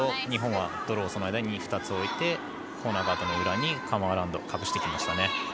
日本は、その間に２つ置いてコーナーガードの裏にカムアラウンド隠してきました。